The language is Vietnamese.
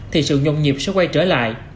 thì sự nhộn nhịp sẽ quay trở lại